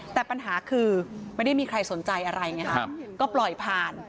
แต่ปัญหาคือไม่ได้มีใครสนใจอะไรไงฮะก็ปล่อยผ่าน